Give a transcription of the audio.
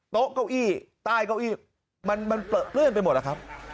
โต๊ะเก้าอี้ใต้เก้าอี้มันเปลือเปลื้อนไปหมดแล้วครับ